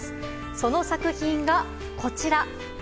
その作品がこちら。